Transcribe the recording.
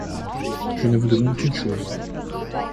Je ne vous demande qu’une chose.